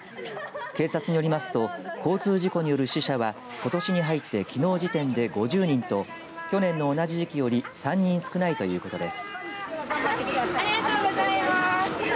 警察によりますと交通事故による死者はことしに入ってきのう時点で５０人と去年の同じ時期より３人少ないということです。